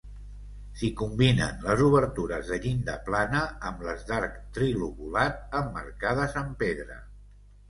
S'hi combinen les obertures de llinda plana amb les d'arc trilobulat, emmarcades en pedra.